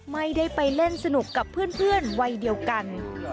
ไม่ได้ไปเล่นสนุกกับเพื่อนวัยเดียวกัน